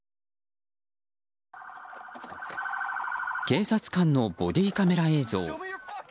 警察官のボディーカメラ映像。